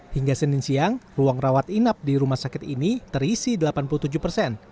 hingga senin siang ruang rawat inap di rumah sakit ini terisi delapan puluh tujuh persen